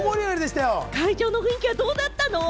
会場の雰囲気はどうだったの？